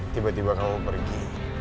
tiba tiba kamu pergi